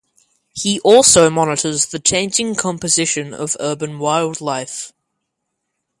He also monitors the changing composition of urban wildlife.